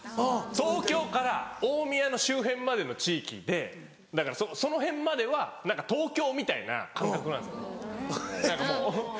東京から大宮の周辺までの地域でだからその辺までは東京みたいな感覚なんですよね何かもう。